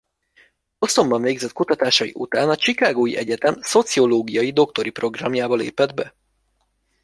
Bostonban végzett kutatásai után a Chicagói Egyetem szociológiai doktori programjába lépett be.